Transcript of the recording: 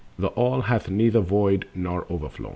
The All hath neither Void nor Overflow.